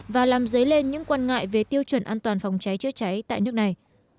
và làm dấy lên những quan ngại về tiêu chuẩn an toàn phòng cháy chữa cháy tại nước này